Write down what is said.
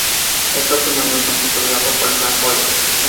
Este último alimenta un flujo de lava por el flanco oeste.